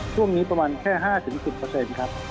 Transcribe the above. ช่วงนี้ประมาณแค่๕๑๐ครับ